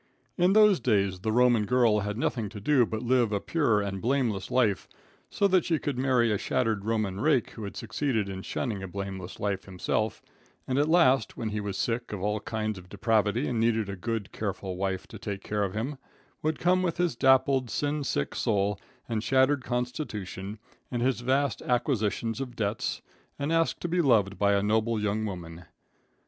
In those days the Roman girl had nothing to do but live a pure and blameless life, so that she could marry a shattered Roman rake who had succeeded in shunning a blameless life himself, and at last, when he was sick of all kinds of depravity and needed a good, careful wife to take care of him, would come with his dappled, sin sick soul and shattered constitution, and his vast acquisitions of debts, and ask to be loved by a noble young woman.